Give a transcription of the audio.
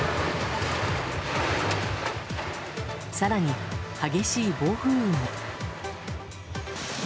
更に、激しい暴風雨も。